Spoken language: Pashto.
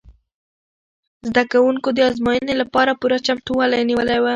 زده کوونکو د ازموینې لپاره پوره چمتووالی نیولی و.